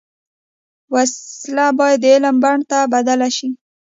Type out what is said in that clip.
وسله باید د علم بڼ ته بدله شي